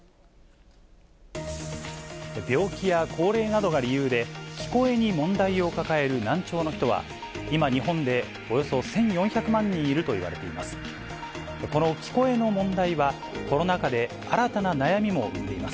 病気や高齢などが理由で、聞こえに問題を抱える難聴の人は、今、日本でおよそ１４００万人いるといわれています。